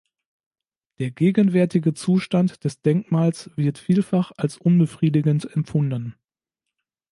Der gegenwärtige Zustand des Denkmals wird vielfach als unbefriedigend empfunden.